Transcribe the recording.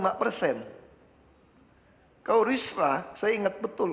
kalau risma saya ingat betul